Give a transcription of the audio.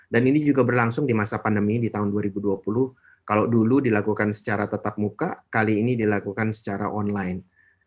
dan ini juga berlangsung di masa pandemi di tahun dua ribu dua puluh kalau dulu dilakukan secara tetap muka kali ini dilakukan secara online